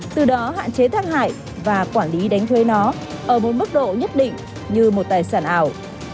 từ đó hạn chế thang hại và quản lý đánh thuế nó ở một mức độ nhất định như một tài sản ảo